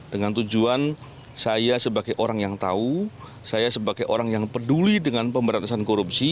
dengan tujuan saya sebagai orang yang tahu saya sebagai orang yang peduli dengan pemberantasan korupsi